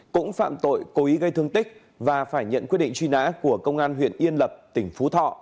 cũng phạm tội cố ý gây thương tích và phải nhận quyết định truy nã của công an huyện yên lập tỉnh phú thọ